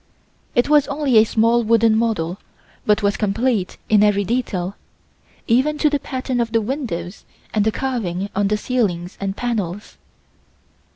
It was only a small wooden model but was complete in every detail, even to the pattern of the windows and the carving on the ceilings and panels.